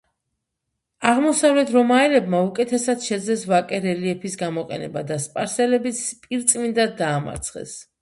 აღმოსავლეთ რომაელებმა უკეთესად შეძლეს ვაკე რელიეფის გამოყენება და სპარსელები პირწმინდად დაამარცხეს.